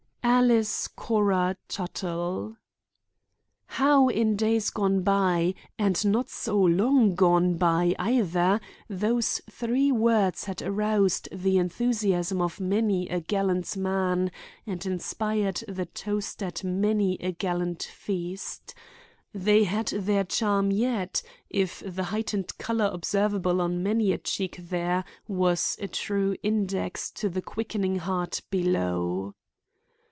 "Alice Cora Tuttle!" How in days gone by, and not so long gone by, either, those three words had aroused the enthusiasm of many a gallant man and inspired the toast at many a gallant feast! They had their charm yet, if the heightened color observable on many a cheek there was a true index to the quickening heart below.